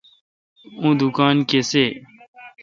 اوں دکان کسے°